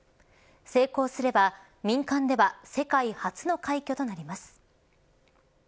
成功すれば民間では世界初の快挙となります。